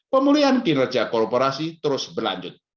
pemulihan kinerja korporasi terus berlanjut